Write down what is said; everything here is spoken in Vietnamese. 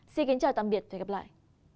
xin kính chào và hẹn gặp lại